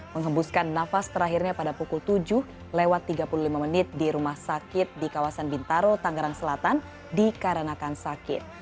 menghembuskan nafas terakhirnya pada pukul tujuh lewat tiga puluh lima menit di rumah sakit di kawasan bintaro tangerang selatan dikarenakan sakit